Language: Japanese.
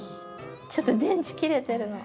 ちょっと電池切れてるの。